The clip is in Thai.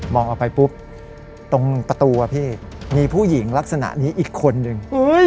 ออกไปปุ๊บตรงประตูอะพี่มีผู้หญิงลักษณะนี้อีกคนนึง